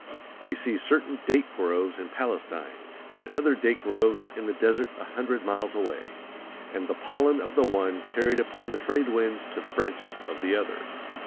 We see certain date groves in Palestine, and other date groves in the desert a hundred miles away, and the pollen of the one carried upon the trade winds to the branches of the other.